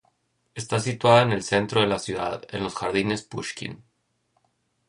Está situada en el centro de la ciudad, en los jardines Pushkin.